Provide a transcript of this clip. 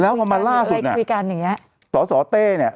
แล้วก็มาล่าสุดสอเต้นี่